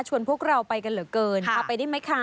พวกเราไปกันเหลือเกินพาไปได้ไหมคะ